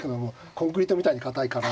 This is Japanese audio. コンクリートみたいに堅いから。